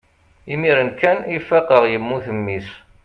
imir-n kan i faqeɣ yemmut mmi-s